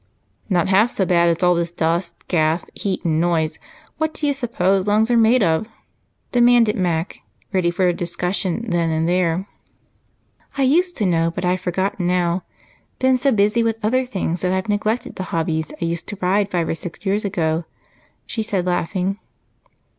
"Not half so bad as all this dust, gas, heat, and noise. What do you suppose lungs are made of?" demanded Mac, ready for a discussion then and there. "I used to know, but I've forgotten now. Been so busy with other things that I've neglected the hobbies I used to ride five or six years ago," she said, laughing.